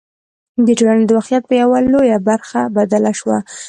د ټولنې د واقعیت په یوه لویه برخه بدله شوه.